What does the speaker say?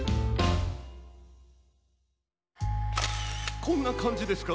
こんなかんじですか？